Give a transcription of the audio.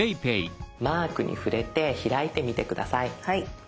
マークに触れて開いてみて下さい。